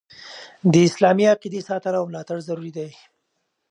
د اسلامي عقیدي ساتنه او ملاتړ ضروري دي.